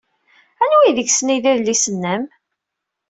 Anwa deg-sen ay d adlis-nnem?